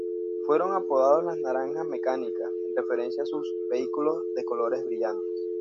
Fueron apodados las "naranjas mecánicas" en referencia a sus vehículos de colores brillantes.